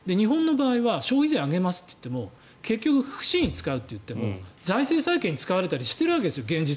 日本の場合は消費税を上げますといっても結局、福祉に使うといっても財政再建に使われたりしているわけですよ。